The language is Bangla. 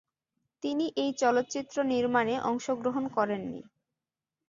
তিনি এই চলচ্চিত্র নির্মাণে অংশগ্রহণ করেন নি।